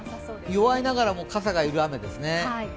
弱いながら傘がいる雨ですね。